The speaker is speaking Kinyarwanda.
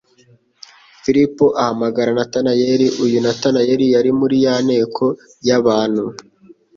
Filipo ahamagara Natanaeli. Uyu Natanaeli yari muri ya nteko y'abantu